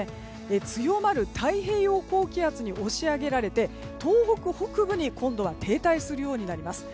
強まる太平洋高気圧に押し上げられて東北北部に今度は停滞するようになります。